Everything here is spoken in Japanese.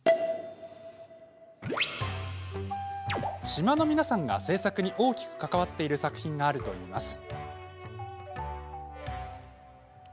島の皆さんが制作に大きく関わっている作品があるといいます。